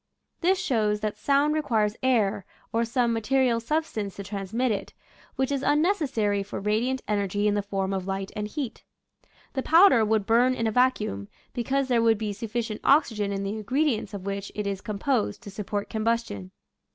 This shows that sound requires air or some material substance to transmit it, which is un necessary for radiant energy in the form of light and heat. The powder would burn in a vacuum — because there would be sufficient oxygen in the ingredients of which it is com posed to support combustion.